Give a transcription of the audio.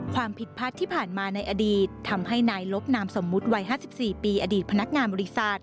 ความผิดพัดที่ผ่านมาในอดีตทำให้นายลบนามสมมุติวัย๕๔ปีอดีตพนักงานบริษัท